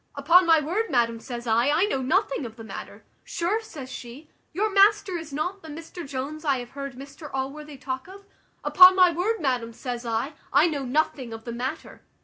`Upon my word, madam,' says I, `I know nothing of the matter.' `Sure,' says she, `your master is not the Mr Jones I have heard Mr Allworthy talk of?' `Upon my word, madam,' says I, `I know nothing of the matter.'